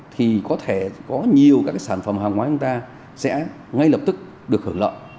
thì có thể có nhiều các sản phẩm hàng hóa của ta sẽ ngay lập tức được hưởng lợi